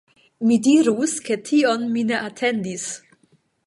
Mi dirus, ke tion mi ne atendis.